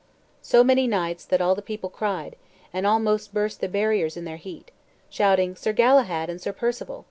"So many knights, that all the people cried, And almost burst the barriers in their heat, Shouting 'Sir Galahad and Sir Perceval!'"